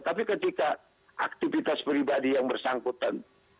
tapi ketika aktivitas pribadi yang bersangkutan